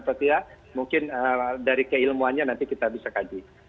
tapi ya mungkin dari keilmuannya nanti kita bisa kaji